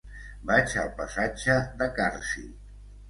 Vaig al passatge de Carsi.